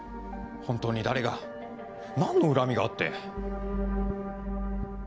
本当に誰が何の恨みがあって。